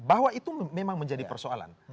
bahwa itu memang menjadi persoalan